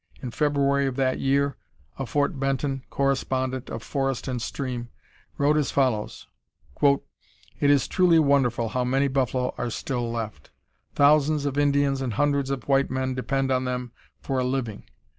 In February of that year a Fort Benton correspondent of Forest and Stream wrote as follows: "It is truly wonderful how many buffalo are still left. Thousands of Indians and hundreds of white men depend on them for a living.